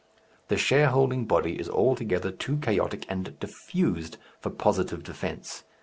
The shareholding body is altogether too chaotic and diffused for positive defence.